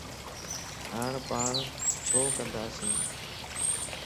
ھاڻ پاڻ ڇو ڪنداسين؟